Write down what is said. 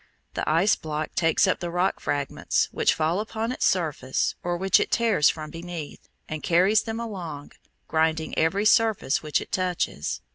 The ice block takes up the rock fragments which fall upon its surface or which it tears from beneath, and carries them along, grinding every surface which it touches.